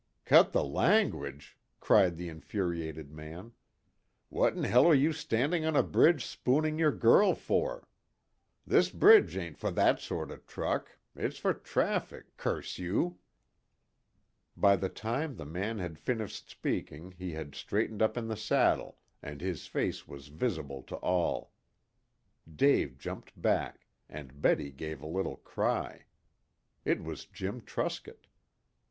"Cut the language!" cried the infuriated man. "What in hell are you standing on a bridge spooning your girl for? This bridge ain't for that sort of truck it's for traffic, curse you!" By the time the man had finished speaking he had straightened up in the saddle, and his face was visible to all. Dave jumped back, and Betty gave a little cry. It was Jim Truscott!